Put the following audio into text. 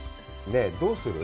ねえ、どうする？